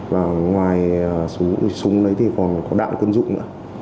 và ngoài súng đấy thì còn có đạn quân dụng nữa